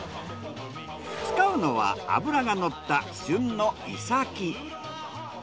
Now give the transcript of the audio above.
使うのは脂がのった旬のイサキ。